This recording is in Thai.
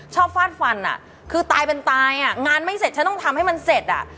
ฟาดฟันอ่ะคือตายเป็นตายอ่ะงานไม่เสร็จฉันต้องทำให้มันเสร็จอ่ะ